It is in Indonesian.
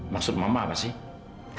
maksud mama pak